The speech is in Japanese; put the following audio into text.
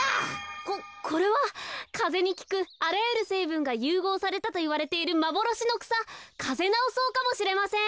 ここれはかぜにきくあらゆるせいぶんがゆうごうされたといわれているまぼろしのくさカゼナオソウかもしれません。